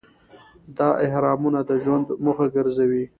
دا اهرامونه د ژوند موخه ګرځي.